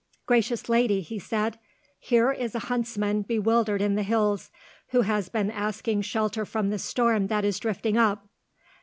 "Gracious lady," he said, "here is a huntsman bewildered in the hills, who has been asking shelter from the storm that is drifting up."